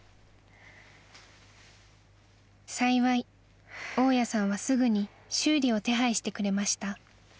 ［幸い大家さんはすぐに修理を手配してくれました］